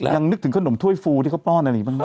แล้วยังนึกถึงขนมถ้วยที่เขาป้อนอันนี้มั้ย